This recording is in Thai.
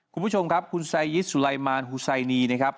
คุณผู้ชมครับคุณไซยิสสุไลมานฮูไซนีนะครับ